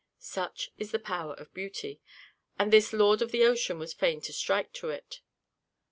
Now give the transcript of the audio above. Such is the power of beauty, that this lord of the ocean was fain to strike to it.